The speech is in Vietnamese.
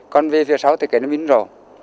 còn về phía sau thì cái nó mình rổ